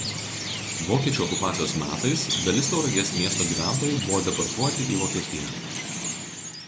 Vokiečių okupacijos metais dalis Tauragės miesto gyventojų buvo deportuoti į Vokietiją.